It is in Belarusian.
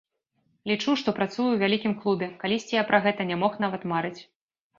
Лічу, што працую ў вялікім клубе, калісьці я пра гэта не мог нават марыць.